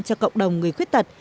cho cộng đồng người khuyết tật